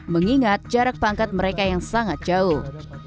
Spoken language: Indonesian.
mengingat jarak pangkat mereka yang sangat jauh